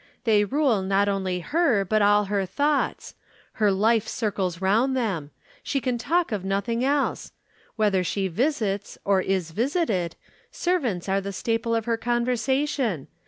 They rule not only her but all her thoughts. Her life circles round them. She can talk of nothing else. Whether she visits, or is visited, servants are the staple of her conversation.